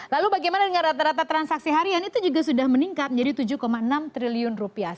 lalu bagaimana dengan rata rata transaksi harian itu juga sudah meningkat menjadi tujuh enam triliun rupiah